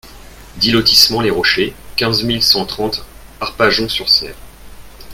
dix lotissement les Rochers, quinze mille cent trente Arpajon-sur-Cère